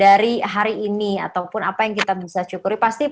dari hari ini ataupun apa yang kita bisa syukuri